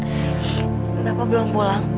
pak retuan bapak belum pulang